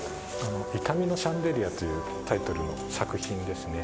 『傷みのシャンデリア』というタイトルの作品ですね。